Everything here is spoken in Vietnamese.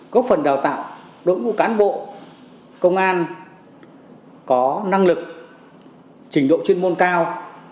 có phần đào tạo đội ngũ cán bộ công an có năng lực trình độ chuyên môn cao